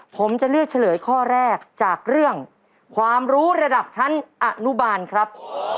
ผมจะเลือกเฉลยข้อแรกจากเรื่องความรู้ระดับชั้นอนุบาลครับ